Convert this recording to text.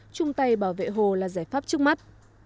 chung tay bảo vệ hồ là giải pháp trước mắt